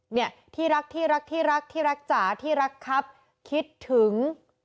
เนี่ยที่รักที่รักที่รักที่รักจ๋าที่รักครับคิดถึง